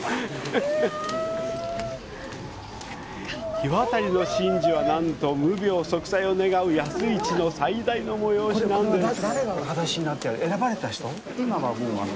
火渡りの神事は、なんと無病息災を願う安市の最大の催しなんです。